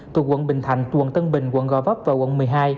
thuộc quận bình thạnh quận tân bình quận gò vấp và quận một mươi hai